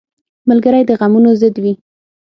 ملګری د غمونو ضد وي